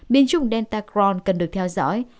biến chủng delta crohn cần được theo dõi